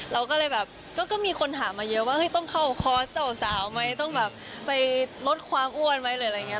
เราก็เลยแบบก็มีคนถามมาเยอะว่าเฮ้ยต้องเข้าคอร์สเจ้าสาวไหมต้องแบบไปลดความอ้วนไหมหรืออะไรอย่างนี้